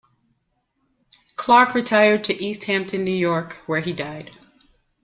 Clark retired to East Hampton, New York, where he died.